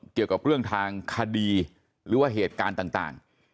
เกี่ยวกับเรื่องทางคดีหรือว่าเหตุการณ์ต่าง